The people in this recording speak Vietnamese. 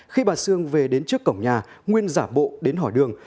khi bà sương về đến trước cổng nhà nguyên giả bộ đến hỏi đường